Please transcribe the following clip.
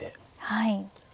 はい。